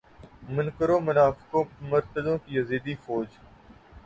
منکروں منافقوں مرتدوں کی یزیدی فوج